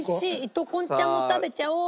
糸こんちゃんも食べちゃおうっと。